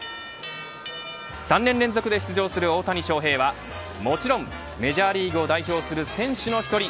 ３年連続で出場する大谷翔平はもちろんメジャーリーグを代表する選手の１人。